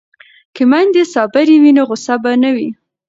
که میندې صابرې وي نو غوسه به نه وي.